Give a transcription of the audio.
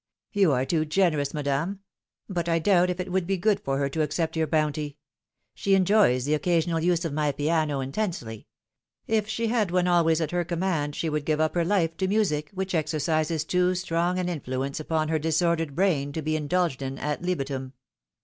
" You are too generous, madame ; but I doubt if it would be good for her to accept your bounty. She enjoys the occasional use of my piano intensely. If she had one always at her com mand, she would give up her life to music, which exercises too strong an influence upon her disordered brain to be indulged in ad libitum.